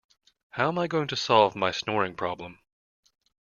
How am I going to solve my snoring problem?